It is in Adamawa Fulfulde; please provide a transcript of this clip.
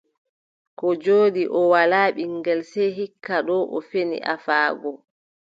Koo jooɗi, o walaa ɓiŋngel, sey hikka doo o feni afaago.